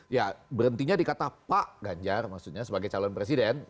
ya berhentinya di kata pak ganjar maksudnya sebagai calon presiden